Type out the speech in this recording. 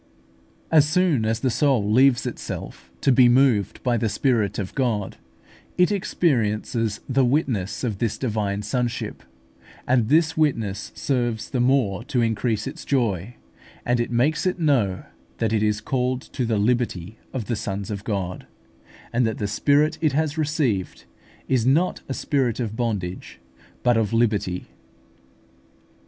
As soon as the soul leaves itself to be moved by the Spirit of God, it experiences the witness of this divine sonship; and this witness serves the more to increase its joy, as it makes it know that it is called to the liberty of the sons of God, and that the spirit it has received is not a spirit of bondage, but of liberty.